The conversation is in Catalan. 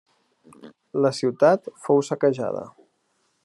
La ciutat fou saquejada.